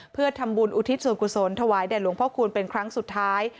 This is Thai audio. เพื่อทำบุญอุทิศส่วนกุศลถวายแด่หลวงพ่อคูณเป็นครั้งสุดท้าย